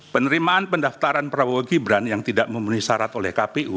penerimaan pendaftaran prabowo gibran yang tidak memenuhi syarat oleh kpu